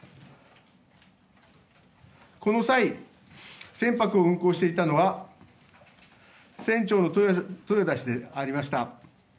この際、船舶を運航していたのは船長の豊田氏でありました。